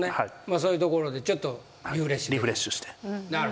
そういう所でちょっとリフレッシュ。